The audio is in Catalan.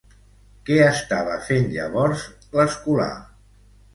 Què estava fent llavors l'escolà?